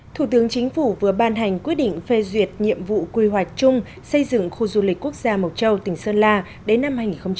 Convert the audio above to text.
thủ tướng chính phủ vừa ban hành quyết định phê duyệt nhiệm vụ quy hoạch chung xây dựng khu du lịch quốc gia mộc châu tỉnh sơn la đến năm hai nghìn ba mươi